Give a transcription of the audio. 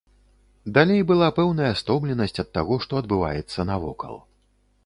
Далей была пэўная стомленасць ад таго, што адбываецца навокал.